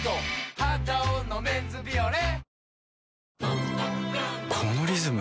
「肌男のメンズビオレ」